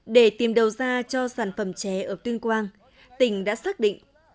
để tìm đầu ra cho sản phẩm chè ở tuyên quang tỉnh đã xác định